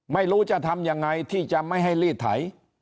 ไม่รู้จะทำยังไงที่จะไม่ให้รีดไถ